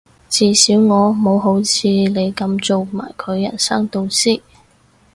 至少我冇好似你噉做埋佢人生導師